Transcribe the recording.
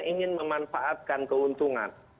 ingin memanfaatkan keuntungan